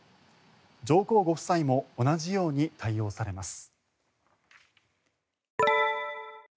上皇ご夫妻も同じように対応されます。